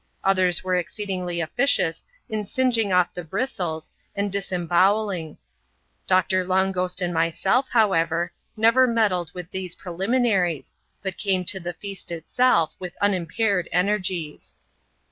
Others were exceed ingly officious in singeing off the bristles, and disembowelling. Doctor Long Ghost and myself, however, never meddled with these preliminaries, but came to the feast itself, with unimpaired energies.